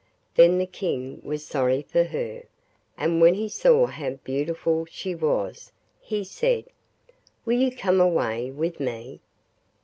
Then the King was sorry for her, and when he saw how beautiful she was he said: 'Will you come away with me?